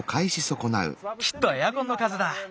きっとエアコンのかぜだ。